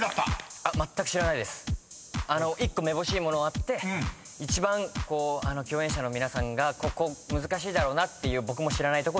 １個めぼしいものあって一番共演者の皆さんがここ難しいだろうなっていう僕も知らないとこをいきました。